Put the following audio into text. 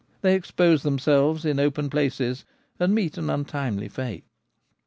They expose themselves in open places, and meet an untimely fate.